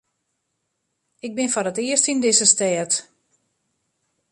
Ik bin foar it earst yn dizze stêd.